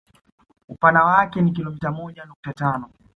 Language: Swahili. Upana wake ni kilomita moja nukta tano